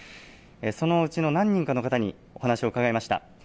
そのうちの何人かの方にお話を伺いました。